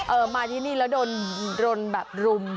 มาที่นี่แล้วโดนแบบรุม